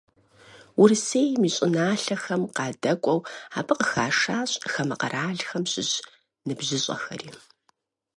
Урысейм и щӀыналъэхэм къыдэкӀуэу, абы къыхашащ хамэ къэралхэм щыщ ныбжьыщӀэхэри.